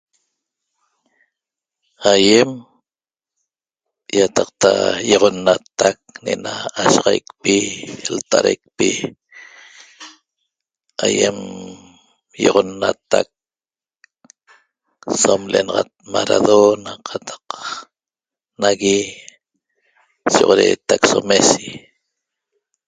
Ayem iataqta ioxonnatac ne'ena ashaxaicpi lta'araicpi ayem ioxonnatac som le'enaxat Maradona qataq nagui shoxoreetac so Messi